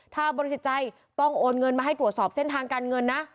ถ้าบริสุทธิ์ใจต้องโอนเงินมาให้ตรวจสอบเส้นทางการเงินนะ